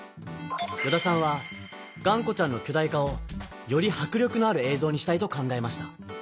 依田さんはがんこちゃんの巨大化をよりはく力のある映像にしたいと考えました。